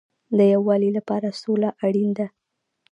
د یووالي لپاره سوله اړین ده